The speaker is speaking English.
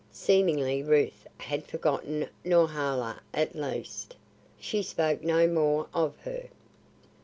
Seemingly Ruth had forgotten Norhala; at least, she spoke no more of her.